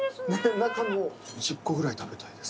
何かもう１０個ぐらい食べたいです。